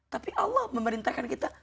tapi allah memerintahkan kita